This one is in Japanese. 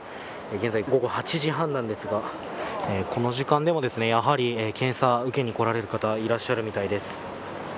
現在午後８時半なんですがこの時間でもやはり検査受けに来られる方いらっしゃるみたいです。